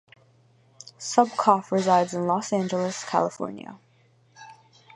Subkoff resides in Los Angeles, California.